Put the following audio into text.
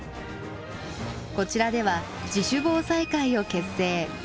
こちらでは自主防災会を結成。